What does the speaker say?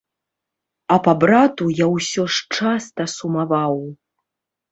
А па брату я ўсё ж часта сумаваў.